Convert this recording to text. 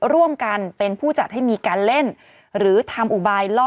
ร่วมกันเป็นผู้จัดให้มีการเล่นหรือทำอุบายล่อ